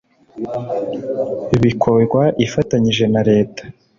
bikorwa ifatanyije na Leta